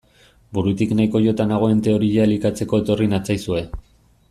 Burutik nahiko jota nagoen teoria elikatzeko etorri natzaizue.